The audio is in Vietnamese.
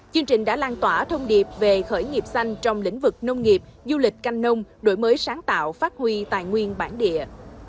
chương trình đã lan tỏa thông điệp về khởi nghiệp xanh trong lĩnh vực nông nghiệp du lịch canh nông đổi mới sáng tạo phát huy tài nguyên bản địa